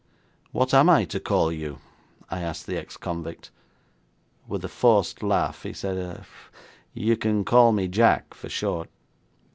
'What am I to call you?' I asked the ex convict. With a forced laugh he said; 'You can call me Jack for short.'